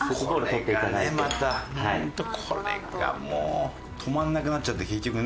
ホントこれがもう止まんなくなっちゃって結局ね。